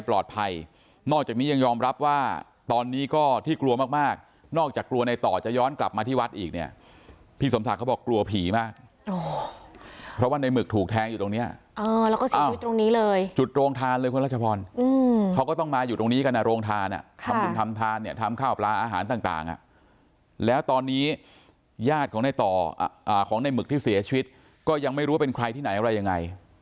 เพราะที่กลัวมากนอกจากกลัวในต่อจะย้อนกลับมาที่วัดอีกเนี่ยพี่สมศักดิ์เขาบอกกลัวผีมากเพราะว่าในหมึกถูกแทงอยู่ตรงนี้จุดโรงทานเลยคุณรัชพรเขาก็ต้องมาอยู่ตรงนี้กันโรงทานอ่ะทำกินทำทานเนี่ยทำข้าวปลาอาหารต่างแล้วตอนนี้ญาติของในต่อของในหมึกที่เสียชีวิตก็ยังไม่รู้ว่าเป็นใครที่ไหนอะไร